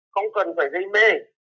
không cần phải dây mê